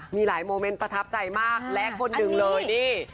มีหลายโมเมนต์ประทับใจมากและคนหนึ่งเลยนี่